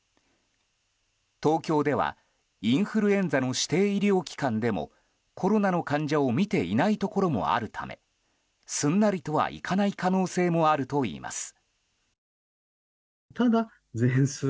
東京ではインフルエンザの指定医療機関でもコロナの患者を診ていないところもあるためすんなりとはいかない可能性もあるといいます。